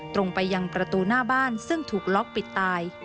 ตรงไปยังประตูหน้าบ้านซึ่งถูกล็อกปิดตาย